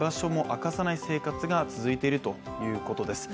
明かさない生活が続いているということです。